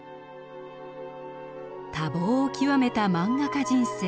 多忙を極めた萬画家人生。